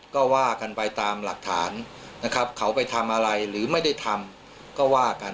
ก็ว่ากันไปตามหลักฐานนะครับเขาไปทำอะไรหรือไม่ได้ทำก็ว่ากัน